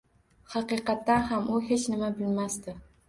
Haqiqatan ham, u hech nima bilmasdi